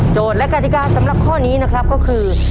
และกติกาสำหรับข้อนี้นะครับก็คือ